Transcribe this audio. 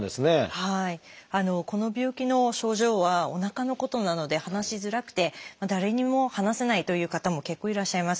この病気の症状はおなかのことなので話しづらくて誰にも話せないという方も結構いらっしゃいます。